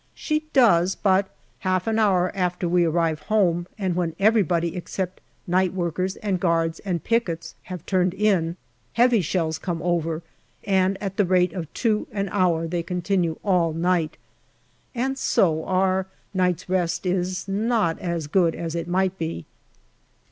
She does, but half an hour after we arrive home, and when everybody except night workers and guards and pickets have turned in, heavy shells come over, and at the rate of two an hour they continue all night, and so our night's rest is not as good as it might be.